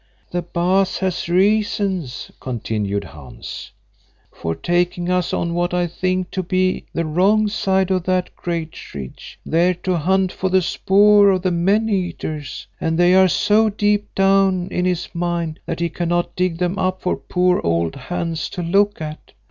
"The Baas has reasons," continued Hans, "for taking us on what I think to be the wrong side of that great ridge, there to hunt for the spoor of the men eaters, and they are so deep down in his mind that he cannot dig them up for poor old Hans to look at.